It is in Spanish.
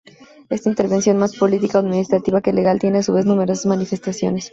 Esa intervención, más política o administrativa que legal, tiene a su vez numerosas manifestaciones.